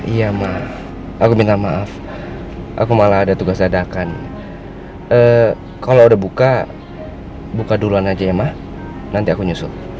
iya mah aku minta maaf aku malah ada tugas adakan kalau udah buka buka duluan aja ya mah nanti aku nyusul